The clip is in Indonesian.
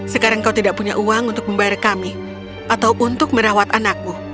sekarang kau tidak punya uang untuk membayar kami atau untuk merawat anakmu